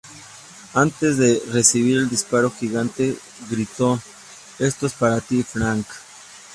Antes de recibir el disparo, Gigante gritó "¡Esto es para ti, Frank!